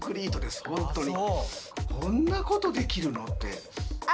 こんなことできるのって。